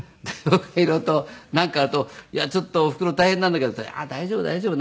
色々となんかあると「いやちょっとおふくろ大変なんだけど」って言ったら「あっ大丈夫大丈夫。